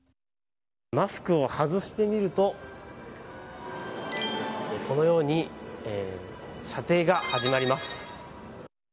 マスクを外してみるとこのように査定が始まります。